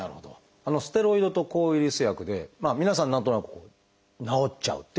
ステロイドと抗ウイルス薬で皆さん何となく治っちゃうっていうのはあるんですか？